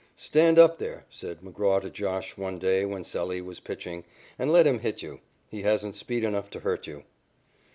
"Stand up there," said McGraw to "Josh" one day when Sallee was pitching, "and let him hit you. He hasn't speed enough to hurt you."